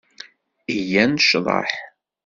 Iyya ad necḍeḥ.